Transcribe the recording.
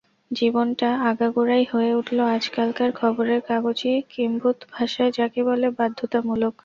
জীবনটা আগাগোড়াই হয়ে উঠল আজকালকার খবরের-কাগজি কিম্ভূত ভাষায় যাকে বলে বাধ্যতামূলক।